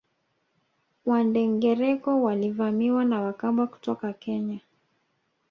Wandengereko walivamiwa na Wakamba kutoka Kenya